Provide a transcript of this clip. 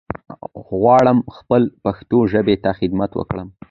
غواړم خپل پښتو ژبې ته خدمت وکړم